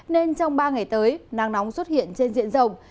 nên trong ba ngày tới nắng nóng sẽ không được